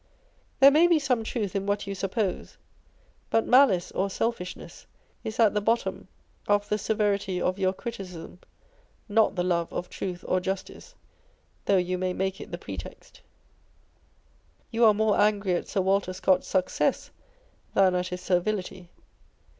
There may be some truth in what you suppose ; but malice or selfishness is at the bottom of the severity of your criti cism, not the love of truth or justice, though you may make it the pretext. You are more angry at Sir Walter Scott's success than at his servility.